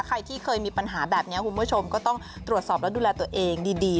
ใครที่เคยมีปัญหาแบบนี้คุณผู้ชมก็ต้องตรวจสอบแล้วดูแลตัวเองดี